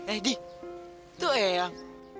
eh di itu eang